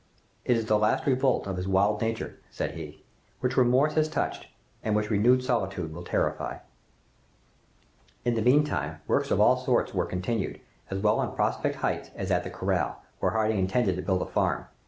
"It is the last revolt of his wild nature," said he, "which remorse has touched, and which renewed solitude will terrify." In the meanwhile, works of all sorts were continued, as well on Prospect Heights as at the corral, where Harding intended to build a farm.